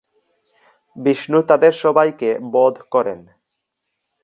বিষ্ণু তাদের সবাইকে বধ করেন।